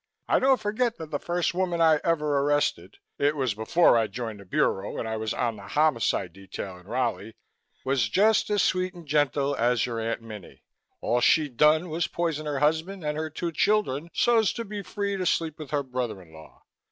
I don't forget that the first woman I ever arrested it was before I joined the Bureau and I was on the homicide detail in Raleigh was just as sweet and gentle as your Aunt Minnie. All she'd done was poison her husband and her two children so's to be free to sleep with her brother in law.